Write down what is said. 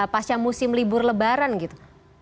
pasca musim libur lebaran gitu